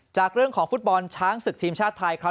จากเรื่องของฟุตบอลช้างศึกทีมชาติไทยครับ